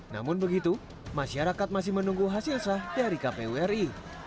namun begitu masyarakat masih menunggu hasil sah dari kpu ri